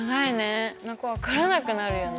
分からなくなるよね。